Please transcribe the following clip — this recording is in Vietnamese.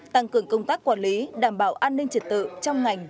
tăng cường công tác quản lý đảm bảo an ninh trật tự trong ngành